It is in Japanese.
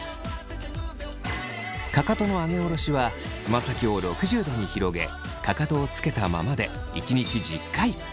かかとの上げ下ろしはつま先を６０度に広げかかとをつけたままで１日１０回。